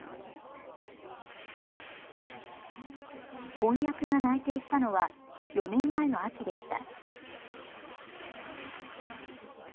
婚約が内定したのは４年前の秋でした。